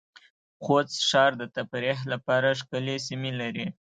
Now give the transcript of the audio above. خوست ښار د تفریح لپاره ښکلې سېمې لرې